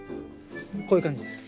こういう感じです。